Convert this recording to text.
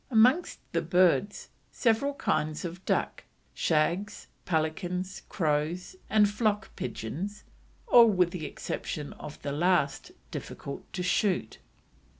Amongst the birds, several kinds of duck, shags, pelicans, crows, and flock pigeons, all, with the exception of the last, difficult to shoot.